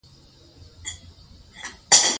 کريم : ګوره ښځې زه اوس په خپله خبره کې بند يم.